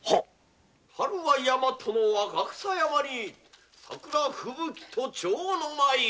「春は大和の若草山に桜吹雪と蝶の舞」